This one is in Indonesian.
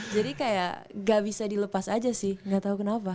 jadi kayak gak bisa dilepas aja sih gak tau kenapa